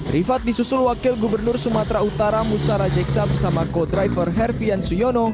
rifat disusul wakil gubernur sumatera utara musara jek sam sama co driver herbian suyono